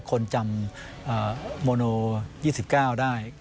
คนจำโมโน๒๙ได้